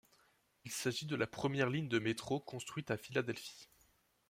Il s'agit de la première ligne de métro construite à Philadelphie.